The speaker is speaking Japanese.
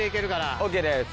ＯＫです。